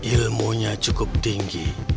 ilmunya cukup tinggi